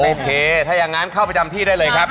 โอเคถ้าอย่างนั้นเข้าประจำที่ได้เลยครับ